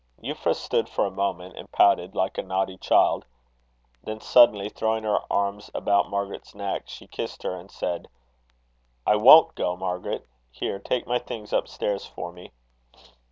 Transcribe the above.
Euphra stood for a moment and pouted like a naughty child. Then suddenly throwing her arms about Margaret's neck, she kissed her, and said: "I won't go, Margaret. Here, take my things up stairs for me."